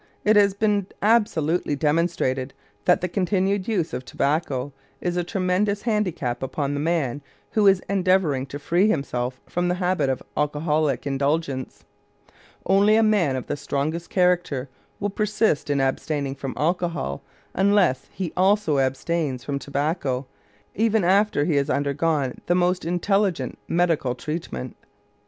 It has been absolutely demonstrated that the continued use of tobacco is a tremendous handicap upon the man who is endeavoring to free himself from the habit of alcoholic indulgence. Only a man of the strongest character will persist in abstaining from alcohol unless he also abstains from tobacco, even after he has undergone the most intelligent medical treatment.